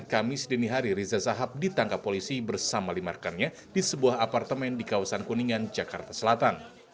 kamis dini hari riza sahab ditangkap polisi bersama lima rekannya di sebuah apartemen di kawasan kuningan jakarta selatan